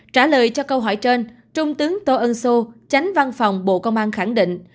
trả lời cho câu hỏi trên trung tướng tô ân sô tránh văn phòng bộ công an khẳng định